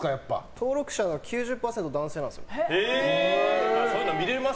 登録者の９０％が男性なんですよ。